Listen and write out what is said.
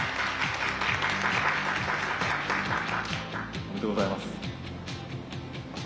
おめでとうございます。